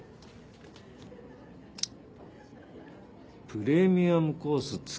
「プレミアムコース月」。